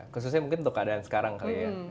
khususnya mungkin untuk keadaan sekarang kali ya